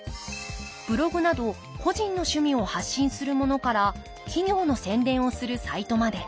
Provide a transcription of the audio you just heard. ブログなど個人の趣味を発信するものから企業の宣伝をするサイトまで。